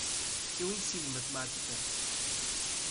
Eu ensino matemática.